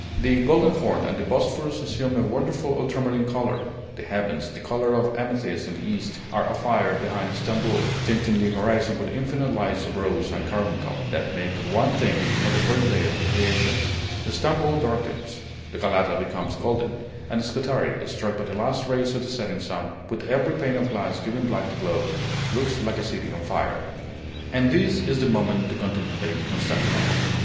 The Golden Horn and the Bosphorus assume a wonderful ultramarine color; the heavens, the color of amethyst in the East, are afire behind Stamboul, tinting the horizon with infinite lights of rose and carbuncle, that make one think of the first day of the creation; Stamboul darkens, Galata becomes golden, and Scutari, struck by the last rays of the setting sun, with every pane of glass giving back the glow, looks like a city on fire. And this is the moment to contemplate Constantinople.